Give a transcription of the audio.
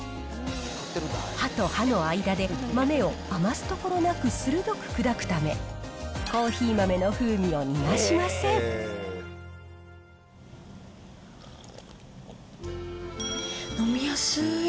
刃と刃の間で豆を余すところなく鋭く砕くため、飲みやすい。